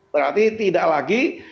berarti tidak lagi